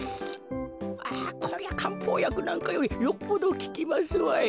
ああこりゃかんぽうやくなんかよりよっぽどききますわい。